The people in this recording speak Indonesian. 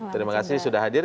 terima kasih sudah hadir